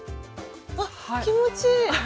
あっ気持ちいい！